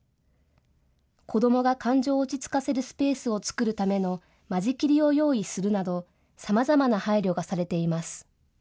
子どもが感情を落ち着かせるスペースを作るための間仕切りを用意するなどさまざまな配慮がされています。